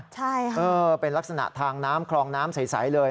ใช่ค่ะเออเป็นลักษณะทางน้ำคลองน้ำใสเลย